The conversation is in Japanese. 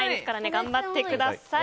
頑張ってください。